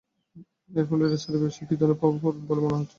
এর ফলে রেস্তোরাঁর ব্যবসায় কী ধরনের প্রভাব পড়বে বলে মনে করছেন?